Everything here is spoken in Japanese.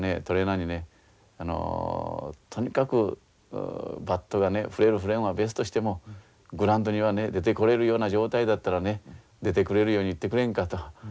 トレーナーにねとにかくバットがね振れる振れんは別としてもグラウンドにはね出てこれるような状態だったらね出てくれるように言ってくれんかと。